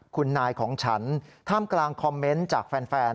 คุณนายของฉันท่ามกลางคอมเมนต์จากแฟน